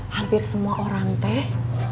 hampir semua orang teh